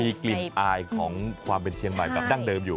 มีกลิ่นอายของความเป็นเชียงใหม่แบบดั้งเดิมอยู่